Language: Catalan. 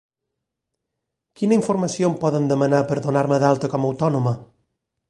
Quina informació em poden demanar per donar-me d'alta com a autònoma?